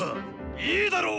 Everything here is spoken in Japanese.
いいだろう！